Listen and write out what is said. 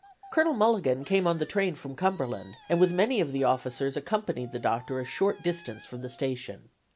Colonel Mulligan came on the train from Cumberland, and with many of the officers accompanied the Doctor a short distance from the station.